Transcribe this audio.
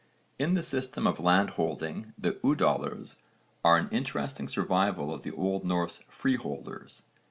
In the system of landholding the 'udallers' are an interesting survival of the old Norse freeholders.